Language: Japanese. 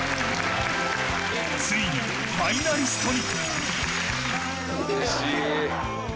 ついにファイナリストに。